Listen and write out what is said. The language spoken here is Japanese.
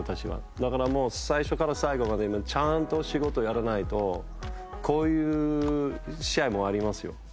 だから最初から最後までちゃんと仕事やらないとこういう試合もありますよ。